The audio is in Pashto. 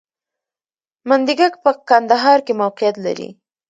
منډیګک په کندهار کې موقعیت لري